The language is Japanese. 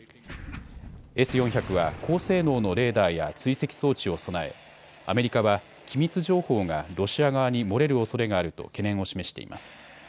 Ｓ４００は高性能のレーダーや追跡装置を備えアメリカは機密情報がロシア側に漏れるおそれがあると懸念を示しています。